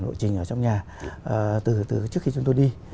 lội trình ở trong nhà từ trước khi chúng tôi đi